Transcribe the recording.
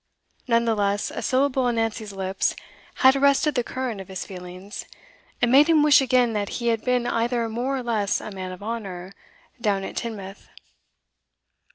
None the less, a syllable on Nancy's lips had arrested the current of his feelings, and made him wish again that he had been either more or less a man of honour down at Teignmouth.